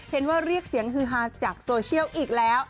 เรียกว่าเรียกเสียงฮือฮาจากโซเชียลอีกแล้ว